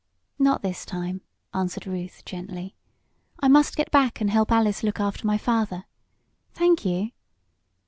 "Not this time," answered Ruth gently. "I must get back and help Alice look after my father. Thank you."